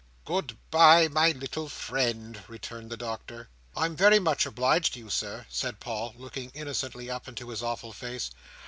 "Good bye, my little friend," returned the Doctor. "I'm very much obliged to you, Sir," said Paul, looking innocently up into his awful face.